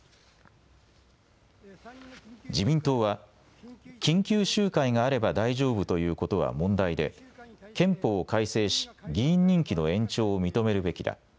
自民党は、緊急集会があれば大丈夫ということは問題で憲法を改正し議員任期の延長を認めるべきだ。